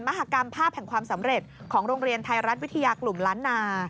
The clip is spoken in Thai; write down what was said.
มหากรรมภาพแห่งความสำเร็จของโรงเรียนไทยรัฐวิทยากลุ่มล้านนา